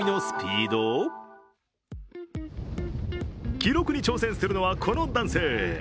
記録に挑戦するのはこの男性。